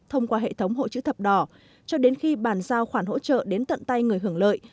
thông qua hệ thống hội chữ thập đỏ cho đến khi bàn giao khoản hỗ trợ đến tận tay người hưởng lợi